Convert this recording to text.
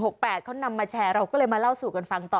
เขานำมาแชร์เราก็เลยมาเล่าสู่กันฟังต่อ